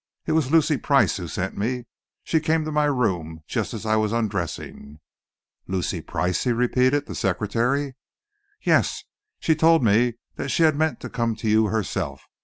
"It was Lucy Price who sent me. She came to my room just as I was undressing." "Lucy Price," he repeated. "The secretary?" "Yes! She told me that she had meant to come to you herself.